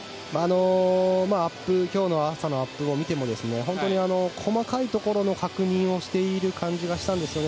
今日の朝のアップを見ても本当に細かいところの確認をしている感じがしたんですよね。